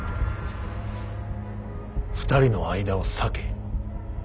２人の間を裂け。